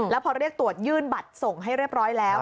แล้วพอเรียกตรวจยื่นบัตรส่งให้เรียบร้อยแล้ว